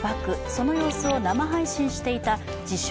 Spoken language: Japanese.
その様子を生配信していた自称